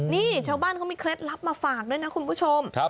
นี่ชาวบ้านเขามีเคล็ดลับมาฝากด้วยนะคุณผู้ชม